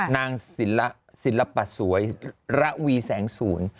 นางศิลปะสวยระวีแสงศูนย์